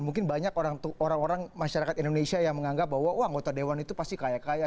mungkin banyak orang orang masyarakat indonesia yang menganggap bahwa wah anggota dewan itu pasti kaya kaya